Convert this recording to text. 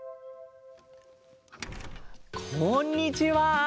こんにちは！